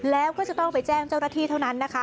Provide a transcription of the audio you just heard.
แล้วก็จะต้องไปแจ้งเจ้าหน้าที่เท่านั้นนะคะ